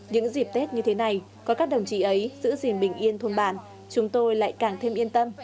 những dịp tết như thế này có các đồng chí ấy giữ gìn bình yên thôn bản chúng tôi lại càng thêm yên tâm